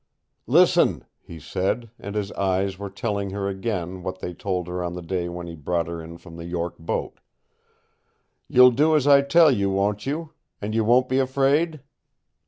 "Listen," he said, and his eyes were telling her again what they told her on the day when he brought her in from the York boat. "You'll do as I tell you, won't you? And you won't be afraid?"